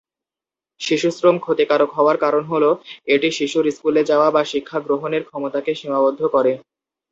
শিশুশ্রম ক্ষতিকারক হওয়ার কারণ হলো, এটি শিশুর স্কুলে যাওয়া বা শিক্ষা গ্রহণের ক্ষমতাকে সীমাবদ্ধ করে।